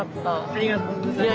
ありがとうございます。